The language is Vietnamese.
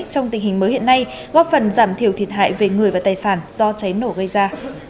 trong tình hình mới hiện nay góp phần giảm thiểu thiệt hại về người và tài sản do cháy nổ gây ra